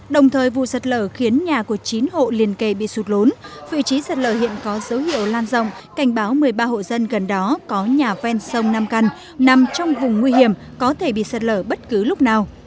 đồng thời vụ sạt lở khiến nhà của chín hộ liên kề bị sụt lốn vị trí sạt lở hiện có dấu hiệu lan rộng cảnh báo một mươi ba hộ dân gần đó có nhà ven sông nam căn nằm trong vùng nguy hiểm có thể bị sạt lở bất cứ lúc nào